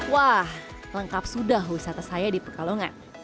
wah lengkap sudah wisata saya di pekalongan